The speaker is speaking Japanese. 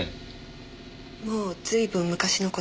もう随分昔の事です。